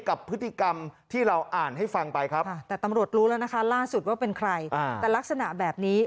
กับพฤติกรรมที่เราอ่านให้ฟังไปครับแต่ตำรวจรู้แล้วนะคะล่าสุดว่าเป็นใครแต่ลักษณะแบบนี้